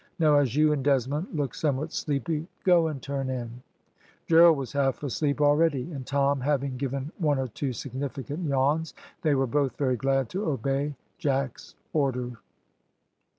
Now, as you and Desmond look somewhat sleepy, go and turn in." Gerald was half asleep already, and Tom having given one or two significant yawns, they were both very glad to obey Jack's order.